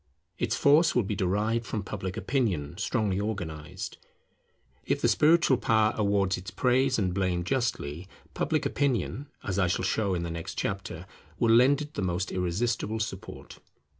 Its force will be derived from Public Opinion strongly organized. If the spiritual power awards its praise and blame justly, public opinion, as I shall show in the next chapter, will lend it the most irresistible support.